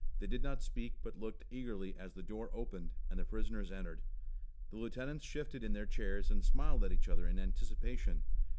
They did not speak but looked eagerly as the door opened, and the prisoners entered. The lieutenants shifted in their chairs and smiled at each other in anticipation.